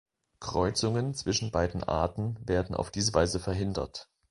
Kreuzungen zwischen beiden Arten werden auf diese Weise verhindert.